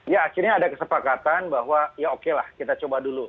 ya akhirnya ada kesepakatan bahwa ya oke lah kita coba dulu